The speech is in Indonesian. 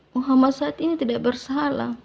muhammad said ini tidak bersalah